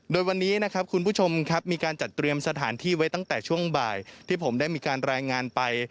โดยวันนี้นะครับคุณผู้ชมครับมีการจัดเตรียมสถานที่ไว้ตั้งแต่ช่วงบ่ายที่ผมได้มีการรายงานไป